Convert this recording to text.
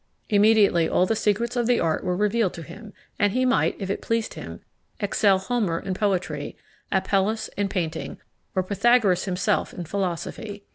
Immediately all the secrets of the art were revealed to him; and he might, if it pleased him, excel Homer in poetry, Apelles in painting, or Pythagoras himself in philosophy.